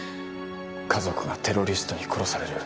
家族がテロリストに殺される。